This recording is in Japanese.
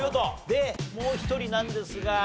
でもう１人なんですが。